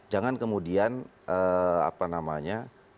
jangan kemudian apa namanya